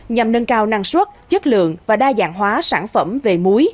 nhằm nâng cao năng suất chất lượng và đa dạng hóa sản phẩm về muối